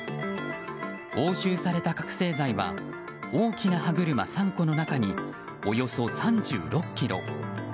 押収された覚醒剤は大きな歯車３個の中におよそ３６ｋｇ。